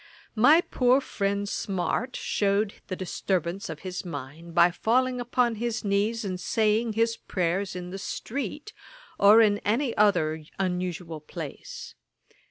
My poor friend Smart shewed the disturbance of his mind, by falling upon his knees, and saying his prayers in the street, or in any other unusual place.